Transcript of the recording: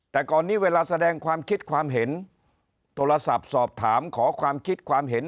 แต่ก่อนนี้เวลาแสดงความคิดความเห็นโทรศัพท์สอบถามขอความคิดความเห็น